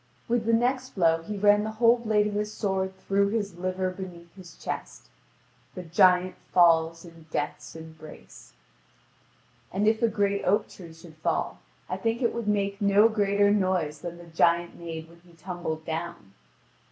With the next blow he ran the whole blade of his sword through his liver beneath his chest; the giant falls in death's embrace. And if a great oak tree should fall, I think it would make no greater noise than the giant made when he tumbled down.